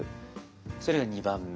それが２番目。